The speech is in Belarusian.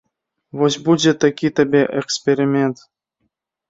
Вось будзе такі табе эксперымент.